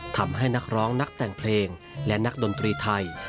ทำให้นักร้องนักแต่งเพลงและนักดนตรีไทย